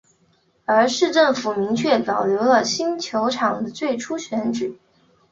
而市政府则明确保留了新球场的最初选址。